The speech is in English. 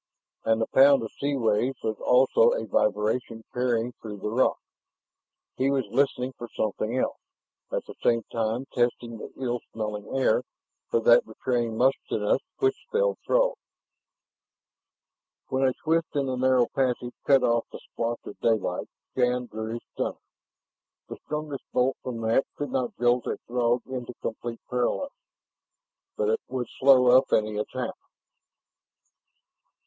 And the pound of sea waves was also a vibration carrying through the rock. He was listening for something else, at the same time testing the ill smelling air for that betraying muskiness which spelled Throg. When a twist in the narrow passage cut off the splotch of daylight, Shann drew his stunner. The strongest bolt from that could not jolt a Throg into complete paralysis, but it would slow up any attack.